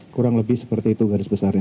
kurang lebih seperti itu garis besarnya